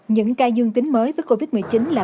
những ca dương tính mới với covid một mươi chín là